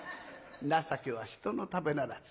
情けは人のためならず。